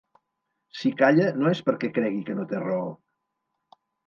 Si calla no és perquè cregui que no té raó.